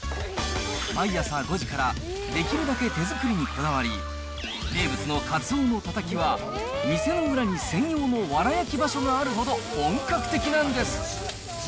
毎朝５時からできるだけ手作りにこだわり、名物のカツオのたたきは、店の裏に専用のわら焼き場所があるほど、本格的なんです。